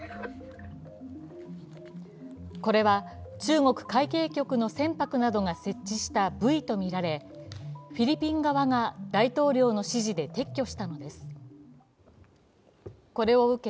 これは中国海警局の船舶などが設置したブイとみられ、フィリピン側が大統領の指示で撤去したのですこれを受け